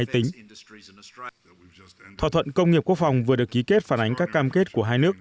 thỏa thuận công nghiệp quốc phòng vừa được ký kết phản ánh các cam kết của hai nước